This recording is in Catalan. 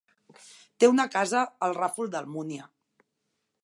Té una casa al Ràfol d'Almúnia.